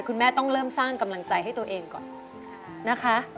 คุณแม่ต้องเริ่มสร้างกำลังใจให้ตัวเองก่อนนะคะ